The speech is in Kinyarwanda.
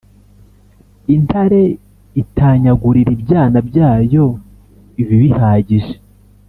Intare itanyagurira ibyana byayo ibibihagije